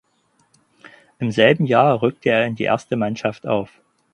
Im selben Jahr rückte er in die erste Mannschaft auf.